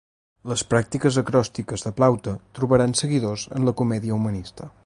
Les pràctiques acròstiques de Plaute trobaran seguidors en la comèdia humanista.